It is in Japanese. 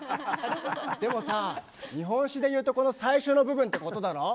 でもさ、日本史でいうとこの最初の部分ってことだろ？